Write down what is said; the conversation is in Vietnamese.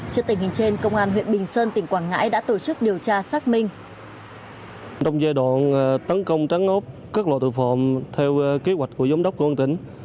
trước tình hình trên công an huyện bình sơn tỉnh quảng ngãi đã tổ chức điều tra xác minh